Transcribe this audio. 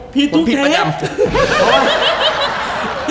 พี่ทุกเทป